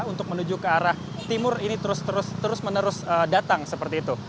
untuk menuju ke arah timur ini terus menerus datang seperti itu